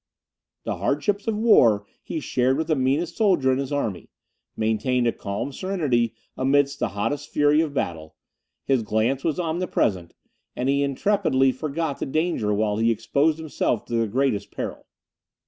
The hardships of war he shared with the meanest soldier in his army; maintained a calm serenity amidst the hottest fury of battle; his glance was omnipresent, and he intrepidly forgot the danger while he exposed himself to the greatest peril.